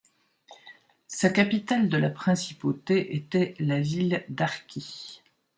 Sa capitale de la principauté était la ville d'Arki.